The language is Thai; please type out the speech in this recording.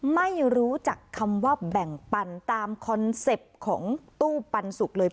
ไม่รู้จักคำว่าแบ่งปันตามคอนเซ็ปต์ของตู้ปันสุกเลย